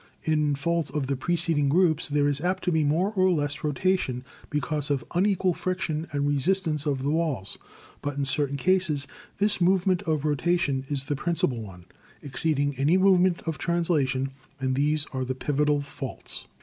In faults of the preceding groups there is apt to be more or less rotation because of unequal fric tion and resistance of the walls, but in certain cases this movement of rotation is the principal one, exceeding any movement of translation; and these are the pivotal faults.